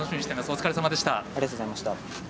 お疲れさまでした。